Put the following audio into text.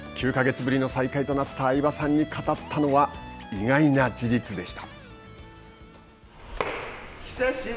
９か月ぶりの再会となった相葉さんに語ったのは意外な事実でした。